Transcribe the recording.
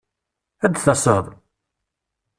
Ad d-taseḍ?